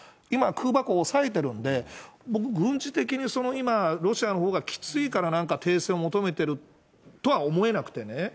今、空爆抑えてるんで、僕、軍事的に今、ロシアのほうがきついから、なんか停戦を求めてるとは思えなくてね。